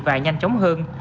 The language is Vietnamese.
và nhanh chóng hơn